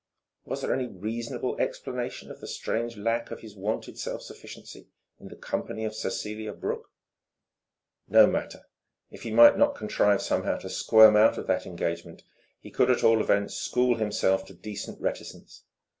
Was there any reasonable explanation of the strange lack of his wonted self sufficiency in the company of Cecelia Brooke? No matter. If he might not contrive somehow to squirm out of that engagement, he could at all events school himself to decent reticence.